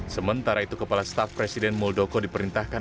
sementara itu kepala staf presiden muldoko diperintahkan